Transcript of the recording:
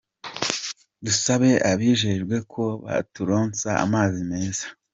Dusaba ababijejwe ko boturonsa amazi meza '.